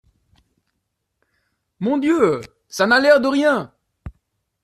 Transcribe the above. Mon Dieu, ça n’a l’air de rien…